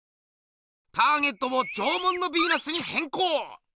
ターゲットを「縄文のビーナス」にへんこう！